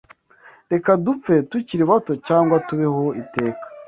Reka dupfe tukiri bato cyangwa tubeho iteka